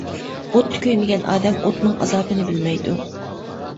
ئوتتا كۆيمىگەن ئادەم ئوتنىڭ ئازابىنى بىلمەيدۇ.